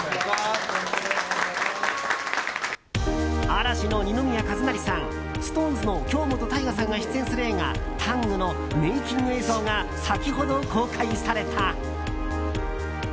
嵐の二宮和也さんＳｉｘＴＯＮＥＳの京本大我さんが主演する映画「ＴＡＮＧタング」のメイキング映像が先ほど公開された。